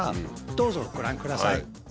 どうぞご覧ください。